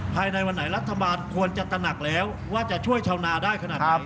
ภายในวันไหนรัฐบาลควรจะตระหนักแล้วว่าจะช่วยชาวนาได้ขนาดนี้